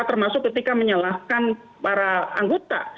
termasuk ketika menyalahkan para anggota